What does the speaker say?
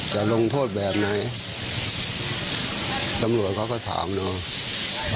จะลงโทษแบบไหนตำรวจเขาก็ถามเนาะ